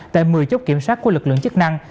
tại một mươi chốt kiểm soát của lực lượng chức năng